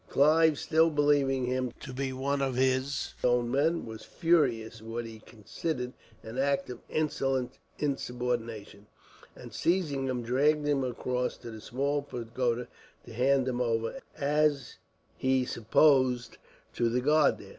Clive, still believing him to be one of his own men, was furious at what he considered an act of insolent insubordination; and, seizing him, dragged him across to the Small Pagoda to hand him over, as he supposed, to the guard there.